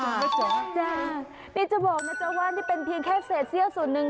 นี่จะบอกนะจ๊ะว่านี่เป็นเพียงแค่เศษเซี่ยวส่วนหนึ่ง